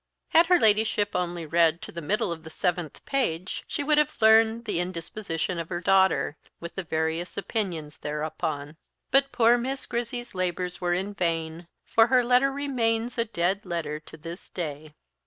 Had her Ladyship only read to the middle of the seventh page she would have learned the indisposition of her daughter, with the various opinions thereupon; but poor Miss Grizzy's labours were vain, for her letter remains a dead letter to this day.